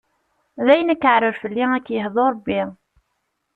Dayen akeɛrer fell-i ad k-yehdu ṛebbi!